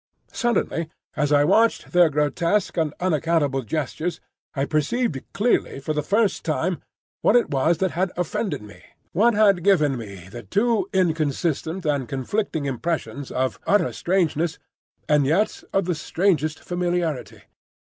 Suddenly, as I watched their grotesque and unaccountable gestures, I perceived clearly for the first time what it was that had offended me, what had given me the two inconsistent and conflicting impressions of utter strangeness and yet of the strangest familiarity.